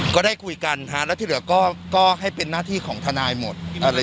ก็ได้คุยกันแล้วที่เหลือก็ให้เป็นหน้าที่ของทนายหมด